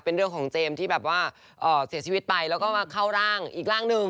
เป็นเรื่องของเจมส์ที่แบบว่าเสียชีวิตไปแล้วก็มาเข้าร่างอีกร่างหนึ่ง